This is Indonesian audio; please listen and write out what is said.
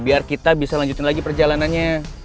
biar kita bisa lanjutin lagi perjalanannya